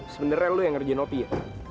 sebenernya lo yang ngerjain opi ya